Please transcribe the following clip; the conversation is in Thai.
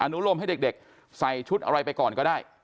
นุรมให้เด็กใส่ชุดอะไรไปก่อนก็ได้